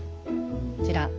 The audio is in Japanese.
こちら。